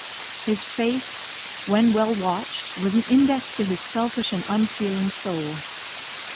His face, when well watched, was an index to his selfish and unfeeling soul.